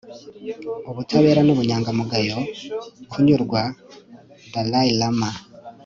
ubutabera n'ubunyangamugayo, kunyurwa. - dalai lama